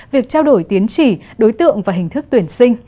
việc trao đổi tiến chỉ đối tượng và hình thức tuyển sinh